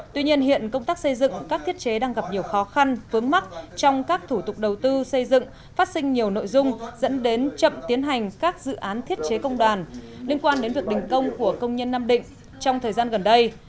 tuy nhiên hiện công tác xây dựng các thiết chế đang gặp nhiều khó khăn vướng mắt trong các thủ tục đầu tư xây dựng phát sinh nhiều nội dung dẫn đến chậm tiến hành các dự án thiết chế công đoàn liên quan đến việc đình công của công nhân nam định trong thời gian gần đây